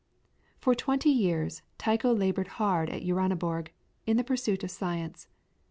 For twenty years Tycho laboured hard at Uraniborg in the pursuit of science.